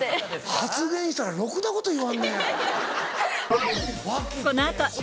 発言したらろくなこと言わんね。